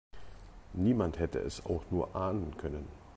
Niemand hätte es auch nur ahnen können.